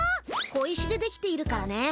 小石でできているからね。